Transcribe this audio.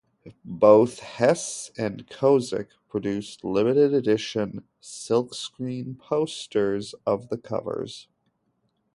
Both Hess and Kozik produced limited edition silkscreen posters of the covers.